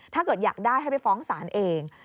ถ้าเกิดอยากได้ให้ไปฟ้องศาลเอง